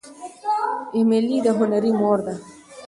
ایمیلي د هنري مور ده.